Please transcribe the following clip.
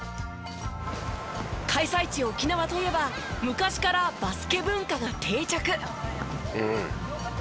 開催地沖縄といえば昔からバスケ文化が定着。